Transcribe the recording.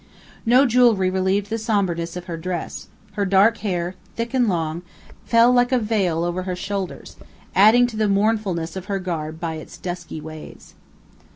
No jewelry relieved the somberness of her dress; her dark hair, thick and long, fell like a veil over her shoulders, adding to the mournfulness of her garb by its dusky waves.